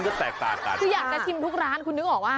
คืออยากแต่ชิมทุกร้านคุณนึกออกว่า